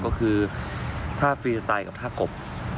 ก็คือถ้าฟรีสไตล์กับท่ากบ